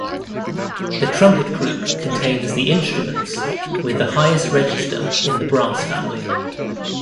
The trumpet group contains the instruments with the highest register in the brass family.